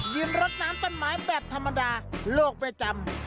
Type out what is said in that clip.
ยืนรถน้ำต้นไม้แบบธรรมดาโลกไม่จำ